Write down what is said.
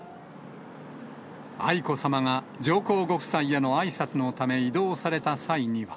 愛子さまが上皇ご夫妻へのあいさつのため移動された際には。